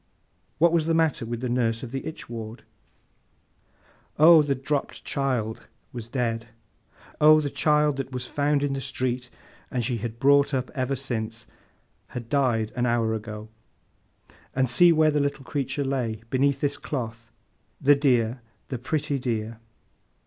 What was the matter with the nurse of the itch ward? Oh, 'the dropped child' was dead! Oh, the child that was found in the street, and she had brought up ever since, had died an hour ago, and see where the little creature lay, beneath this cloth! The dear, the pretty dear!